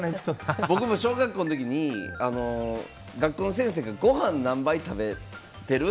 僕も小学校の時に学校の先生がご飯何杯食べてる？